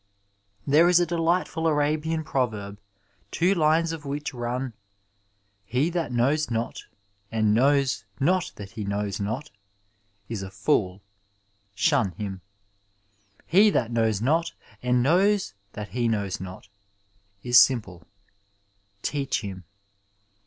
There is a delightful Arabian proverb two lines of which run: He that knows not, and knows not that he knows not, is a fool. Shun him. He that knows not, and knows that he knows not, is simple. Teach him."